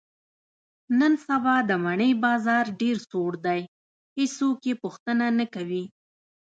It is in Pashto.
نن سبا د مڼې بازار ډېر سوړ دی، هېڅوک یې پوښتنه نه کوي.